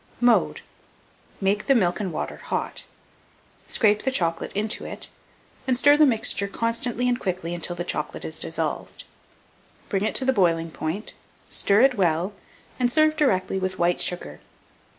Mode. Make the milk and water hot; scrape the chocolate into it, and stir the mixture constantly and quickly until the chocolate is dissolved; bring it to the boiling point, stir it well, and serve directly with white sugar.